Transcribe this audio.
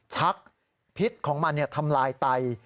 ชักพิษของมันทำลายไต